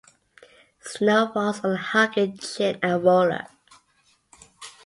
Snow falls on the hugging chin and roller.